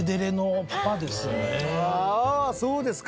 ああそうですか。